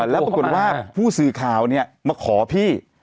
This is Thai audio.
แล้วปรากฎว่าผู้สื่อขาวเนี่ยมาขอพี่